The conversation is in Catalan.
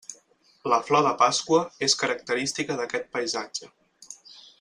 La flor de pasqua, és característica d'aquest paisatge.